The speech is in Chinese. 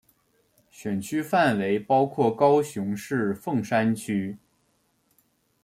选区范围包括高雄市凤山区。